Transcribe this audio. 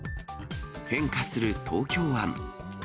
変化する東京湾。